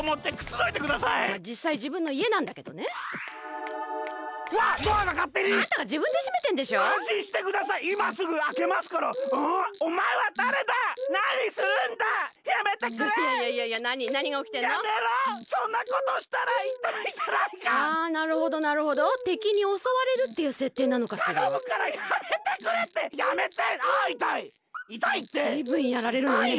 ずいぶんやられるのね。